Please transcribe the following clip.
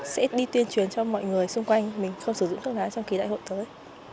sẽ đi tuyên truyền cho mọi người xung quanh mình không sử dụng thuốc lá trong kỳ đại hội tới